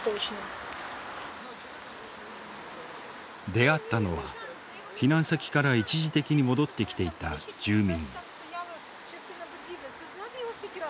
出会ったのは避難先から一時的に戻ってきていた住民。